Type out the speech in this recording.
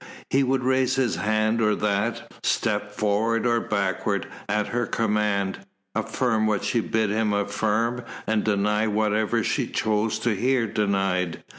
He would raise this hand or that, step forwards or backwards, at her command, affirm what she bid him affirm, and deny whatever she chose to hear denied.